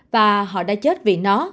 và họ đã chết vì nó